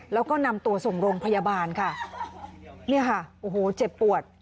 แล้วก็นำตัวส่งโรงพยาบาลค่ะเนี่ยค่ะโอ้โหเจ็บปวด